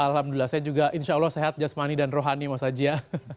alhamdulillah saya juga insya allah sehat jasmani dan rohani mas aji ya